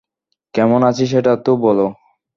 কেমন আছি সেটা তো বলো।